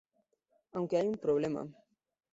Aunque hay un problema.